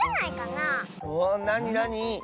なになに？